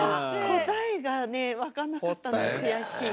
答えがね分かんなかったのが悔しい。